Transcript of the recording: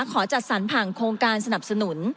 ขอจัดสรรผ่านโครงการสนับสนุน